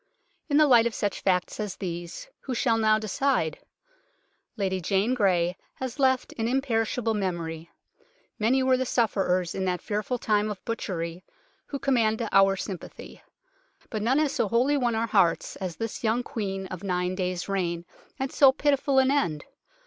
In the light of such facts as these, who shall now decide ? Lady Jane Grey has left an im perishable memory. Many were the sufferers in that fearful time of butchery who command our sympathy, but none has so wholly won our hearts as this young Queen of a nine days' reign, and so pitiful an end.